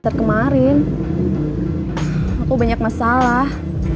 kemarin aku banyak masalah